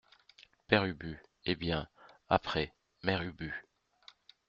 Père Ubu Eh bien, après, Mère Ubu ?